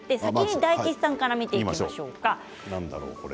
大吉さんから先に見ていきましょう。